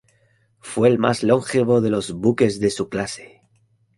Fue el más longevo de los buques de su clase.